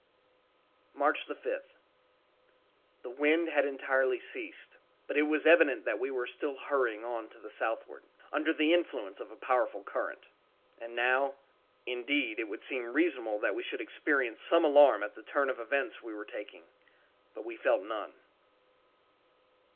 _ _March_5th. The wind had entirely ceased, but it was evident that we were still hurrying on to the southward, under the influence of a powerful current. And now,—indeed, it would seem reasonable that we should experience some alarm at the turn events were taking—but we felt none.